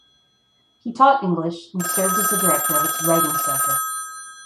He taught English and served as the director of its writing center.